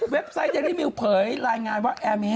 เว็บไซต์เจริมิวเผย์รายงานว่า